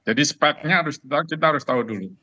jadi speknya kita harus tahu dulu